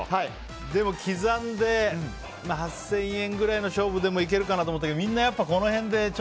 でも、刻んで８０００円ぐらいの勝負でもいけるかなと思ったけどみんな、この辺で。